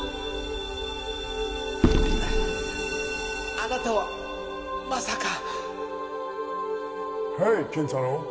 あなたはまさか。